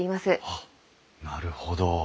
あっなるほど。